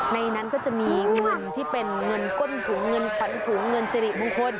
ในนั้นก็จะมีเงินที่เป็นเงินก้นถุงเงินขวัญถุงเงินสิริมงคล